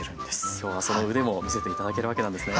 今日はその腕も見せていただけるわけなんですね。